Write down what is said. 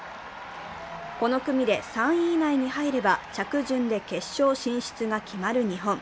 この組で３位以内に入れば、着順で決勝進出が決まる日本。